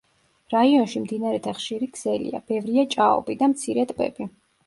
რაიონში მდინარეთა ხშირი ქსელია, ბევრია ჭაობი და მცირე ტბები.